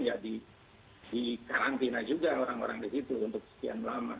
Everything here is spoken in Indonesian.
ya di karantina juga orang orang di situ untuk sekian lama